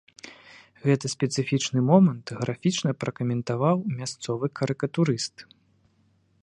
Гэты спецыфічны момант графічна пракаментаваў мясцовы карыкатурыст.